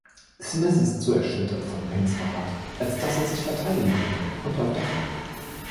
Smith ist zu erschüttert von Paines Verrat, als dass er sich verteidigen könnte, und läuft davon.